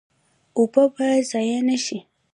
اوبه باید ضایع نشي